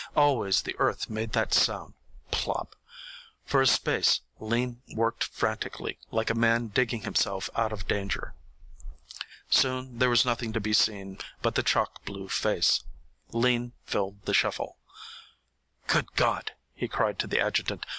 Always the earth made that sound plop! For a space Lean worked frantically, like a man digging himself out of danger. Soon there was nothing to be seen but the chalk blue face. Lean filled the shovel. "Good God," he cried to the adjutant.